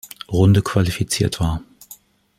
Runde qualifiziert war.